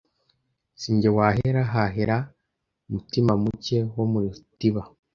Si jye wahera hahera Mutimamuke wo mu rutiba